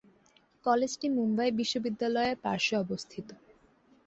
কলেজটি মুম্বাই বিশ্ববিদ্যালয়ের পার্শ্বে অবস্থিত।